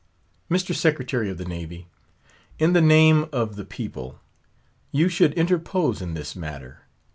Mr. Secretary of the Navy, in the name of the people, you should interpose in this matter.